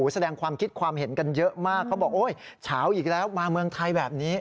แสดงความคิดความเห็นกันเยอะมากเขาบอกโอ๊ยเฉาอีกแล้วมาเมืองไทยแบบนี้